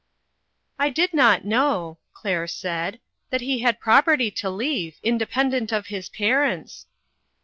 " I did not know," Claire said, " that he had property to leave, independent of his parents."